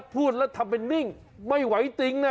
พูดแล้วทำเป็นนิ่งไม่ไหวจริงนะ